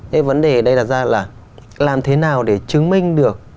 thế vấn đề ở đây đặt ra là làm thế nào để chứng minh được